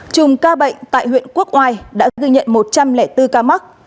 chùm ca bệnh tại huyện quốc oai đã ghi nhận một trăm linh bốn ca mắc